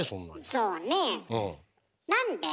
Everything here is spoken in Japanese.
そうねえ。